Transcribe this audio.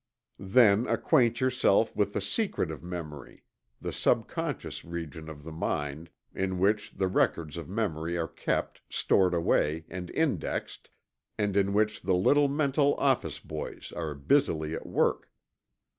Then acquaint yourself with the secret of memory the subconscious region of the mind, in which the records of memory are kept, stored away and indexed, and in which the little mental office boys are busily at work.